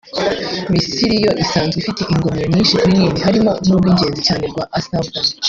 Misiri yo isanzwe ifite ingomero nyinshi kuri Nili harimo n’urw’ingenzi cyane rwa Aswan Dam